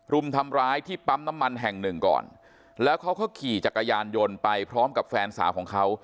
รุมทำร้ายที่ปั๊มน้ำมันแห่งหนึ่งก่อนแล้วเขาก็ขี่จักรยานยนต์ไปพร้อมกับแฟนสาวของเขา